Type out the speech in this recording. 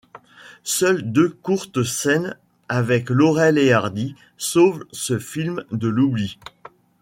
Seules deux courtes scènes avec Laurel et Hardy sauvent ce film de l'oubli.